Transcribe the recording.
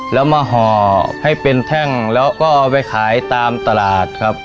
แล้วมาห่อให้เป็นแท่งแล้วก็เอาไปขายตามตลาดครับ